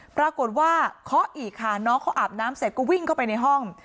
ปรากฏว่าเคาะอีกค่ะน้องเขาอาบน้ำเสร็จก็วิ่งเข้าไปในห้อง